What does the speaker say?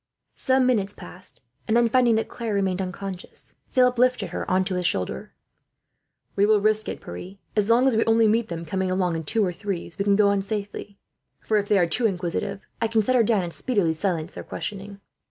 Some minutes passed, and then, finding that Claire remained unconscious, Philip lifted her on to his shoulder. "We will risk it, Pierre. As long as we only meet them coming along in twos or threes, we can go on safely; for if they are inquisitive, I can set her down and speedily silence their questioning.